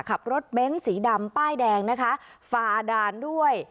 ขับรถเบนซ์สีดำป้ายแดงฟาดานด้วย